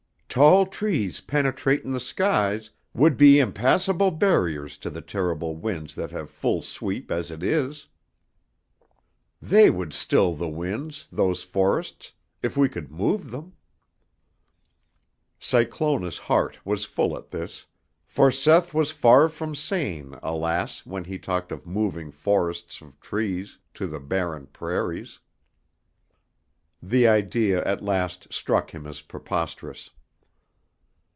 Tall trees penetratin' the skies would be impassable barriers to the terrible winds that have full sweep as it is. They would still the winds, those forests, if we could move them!" Cyclona's heart was full at this; for Seth was far from sane, alas! when he talked of moving forests of trees to the barren prairies. The idea at last struck him as preposterous.